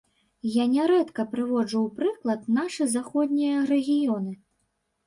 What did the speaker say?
Я нярэдка прыводжу ў прыклад нашы заходнія рэгіёны.